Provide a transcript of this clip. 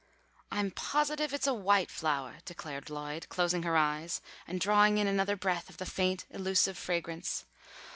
"I'm positive it's a white flowah," declared Lloyd, closing her eyes and drawing in another breath of the faint, elusive fragrance.